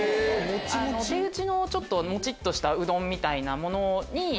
手打ちのもちっとしたうどんみたいなもの。